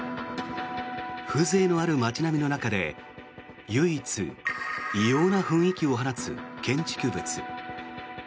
風情のある街並みの中で唯一異様な雰囲気を放つ建築物。